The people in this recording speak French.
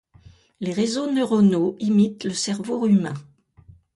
Les réseaux neuronaux imitent le cerveau humain.